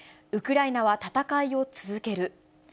ウクライナは戦いを続ける。